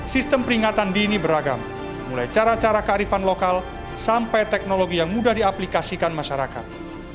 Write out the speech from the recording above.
sistem peringatan dini beragam mulai cara cara kearifan lokal sampai teknologi yang mudah diaplikasikan masyarakat